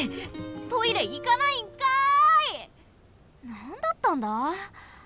なんだったんだ？